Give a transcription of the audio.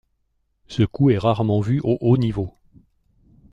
Ce coup est rarement vu au haut niveau.